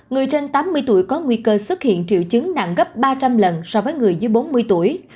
người trên tám mươi tuổi có nguy cơ xuất hiện triệu chứng nặng gấp ba trăm linh lần so với người dưới bốn mươi tuổi